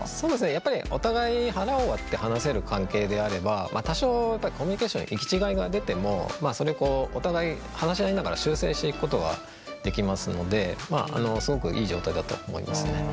やっぱりお互い腹を割って話せる関係であれば多少コミュニケーションの行き違いが出てもそれをお互い話し合いながら修正していくことができますのですごくいい状態だと思いますね。